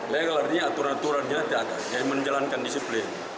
legal artinya aturan aturan yang tidak ada yang menjalankan disiplin